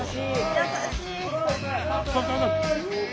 優しい。